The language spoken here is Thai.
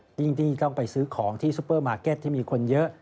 ยิ่งที่ต้องไปซื้อของที่ซุปเปอร์มาร์เก็ตที่มีคนเยอะ